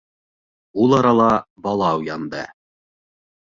Ул арала бала уянды.